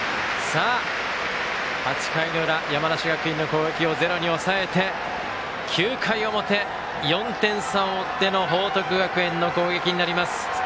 ８回の裏、山梨学院の攻撃をゼロに抑えて、９回表４点差を追っての報徳学園の攻撃になります。